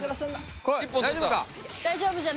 大丈夫か？